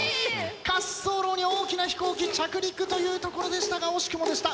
滑走路に大きな飛行機着陸というところでしたが惜しくもでした。